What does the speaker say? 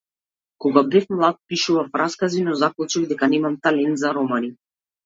Кога бев млад пишував раскази, но заклучив дека немам талент за романи.